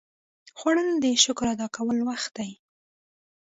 خوړل د شکر ادا کولو وخت دی